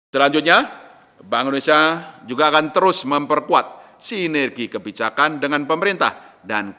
selanjutnya bank indonesia juga akan terus memperkuat sinergi kebijakan dengan pemerintah